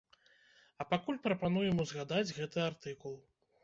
А пакуль прапануем узгадаць гэты артыкул.